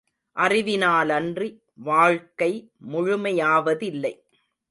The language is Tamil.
அறிவினாலன்றி வாழ்க்கை முழுமையாவதில்லை.